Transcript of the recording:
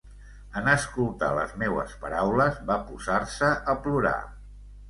En escoltar les meues paraules, va posar-se a plorar.